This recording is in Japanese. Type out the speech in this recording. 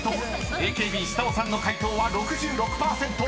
ＡＫＢ下尾さんの解答は６６％］